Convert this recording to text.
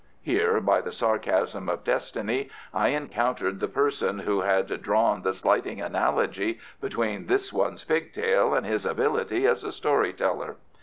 Here, by the sarcasm of destiny, I encountered the person who had drawn the slighting analogy between this one's pig tail and his ability as a story teller.